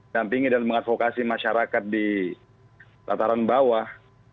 dampingi dan mengadvokasi masyarakat di tataran bawah